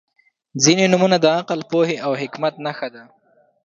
• ځینې نومونه د عقل، پوهې او حکمت نښه ده.